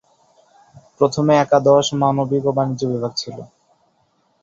প্রথমে একাদশ, মানবিক ও বাণিজ্য বিভাগ ছিল।